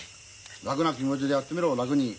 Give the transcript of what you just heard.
楽な気持ちでやってみろ楽に。